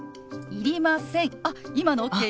いりません。